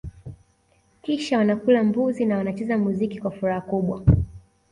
Kisha wanakula mbuzi na wanacheza muziki kwa furaha kubwa